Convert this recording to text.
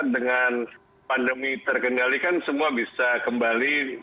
dengan pandemi terkendali kan semua bisa kembali